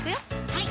はい